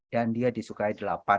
dan dia disukai